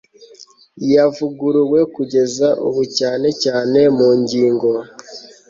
yavuguruwe kugeza ubu cyane cyane mu ngingo